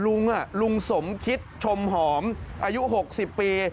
ลุงอ่ะลุงสมคิดชมหอมอายุหกสิบปี